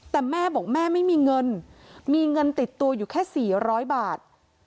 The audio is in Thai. แต่แม่บอกแม่ไม่มีเงินมีเงินติดตัวอยู่แค่๔๐๐บาท